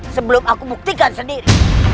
sebelum aku buktikan sendiri